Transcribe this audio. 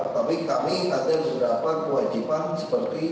tapi kami ada beberapa kewajiban seperti